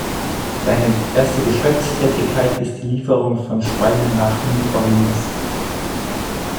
Seine erste Geschäftstätigkeit ist die Lieferung von Schweinen nach New Orleans.